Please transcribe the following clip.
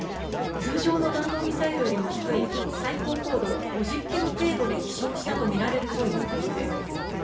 通常の弾道ミサイルよりも低い最高高度５０キロ程度で飛しょうしたと見られるということです。